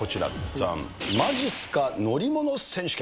ざんっ、まじっすか乗り物選手権。